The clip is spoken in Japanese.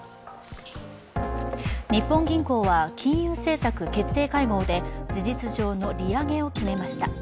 日本銀行は金融政策決定会合で事実上の利上げを決めました。